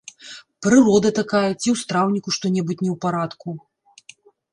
Прырода такая ці ў страўніку што-небудзь не ў парадку?